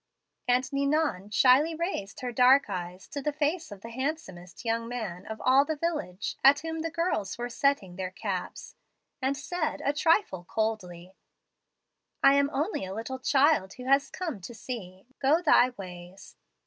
"And Ninon shyly raised her dark eyes to the face of the handsomest young man of all the village, at whom the girls were setting their caps, and said, a trifle coldly, 'I am only a little child who has come to see. Go thy ways.'